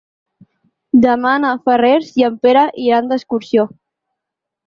Demà na Farners i en Pere iran d'excursió.